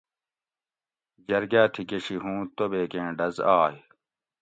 جرگاۤ تھی گشی ہُوں توبیک ایں ڈز آئ